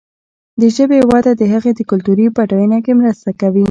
د ژبې وده د هغې د کلتوري بډاینه کې مرسته کوي.